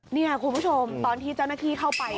นี่คุณผู้ชมตอนที่เจ้าหน้าที่เข้าไป